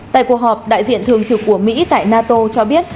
tại cuộc họp đại diện thường trực của mỹ tại nato cho biết